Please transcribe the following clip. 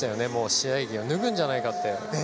試合着を脱ぐんじゃないかって。